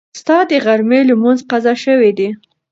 ستا د غرمې لمونځ قضا شوی دی.